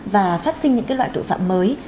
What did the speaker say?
và phát sinh những cái loại tội phạm mới